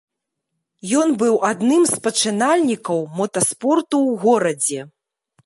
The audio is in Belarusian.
Ён быў адным з пачынальнікаў мотаспорту ў горадзе.